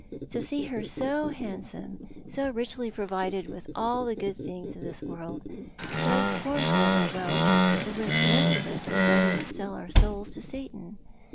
To see her so hand some, so richly provided with all the good things of this worlJ, so scornful of the wealth for which most of us are ready to sell our souls to Satan